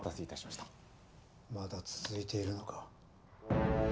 まだ続いているのか？